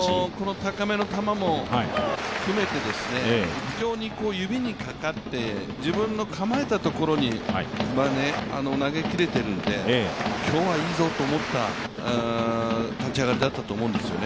高めの球も含めて、非常に指にかかって自分の構えたところに投げ切れているので、今日はいいぞと思った立ち上がりだったと思うんですよね。